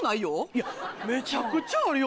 いやめちゃくちゃあるよ。